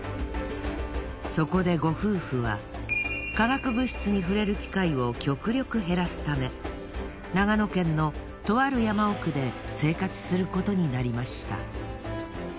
そこでご夫婦は化学物質に触れる機会を極力減らすため長野県のとある山奥で生活することになりました。